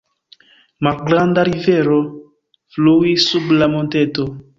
Malgranda rivero fluis sub la monteto.